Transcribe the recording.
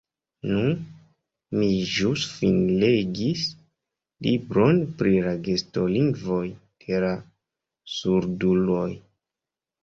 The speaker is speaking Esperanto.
Nu, mi ĵus finlegis libron pri la gestolingvoj de la surduloj.